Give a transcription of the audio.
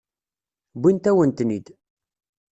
Wwint-awen-ten-id.